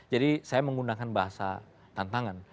jadi saya menggunakan bahasa tantangan